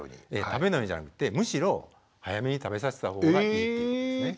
食べないようにじゃなくてむしろ早めに食べさせた方がいいということですね。